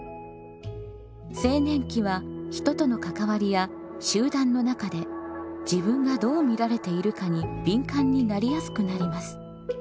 青年期は人との関わりや集団の中で自分がどう見られているかに敏感になりやすくなります。